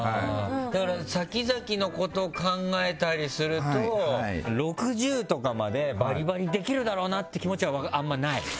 だから先々のこと考えたりすると６０とかまでバリバリできるだろうなっていう気持ちは、あんまない？